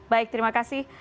baik terima kasih